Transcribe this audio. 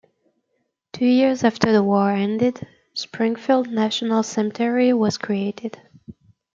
Two years after the war ended, Springfield National Cemetery was created.